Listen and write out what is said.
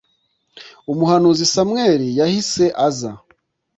umuhanuzi samweli yahise aza